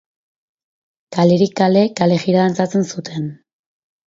Kalerik kale kalejira dantzatzen zuten.